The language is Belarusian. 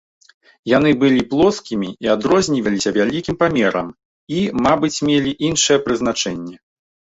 Яны былі плоскімі і адрозніваліся вялікім памерам і, мабыць, мелі іншае прызначэнне.